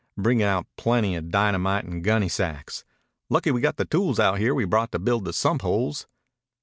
Bring out plenty of dynamite and gunnysacks. Lucky we got the tools out here we brought to build the sump holes."